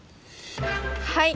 はい！